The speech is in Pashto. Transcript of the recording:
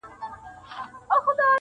پر رخسار دي اورولي خدای د حُسن بارانونه,